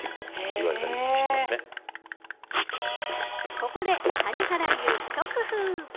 ここで、谷原流ひと工夫。